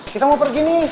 kita mau pergi nih